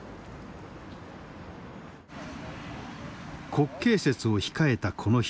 国慶節を控えたこの日。